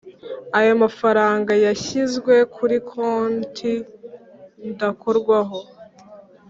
Ayo mafaranga yashyizwe kuri konti ndakorwaho